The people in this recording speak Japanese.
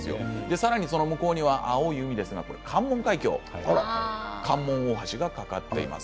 さらにその奥には青い海ですが関門海峡関門大橋がかかっています。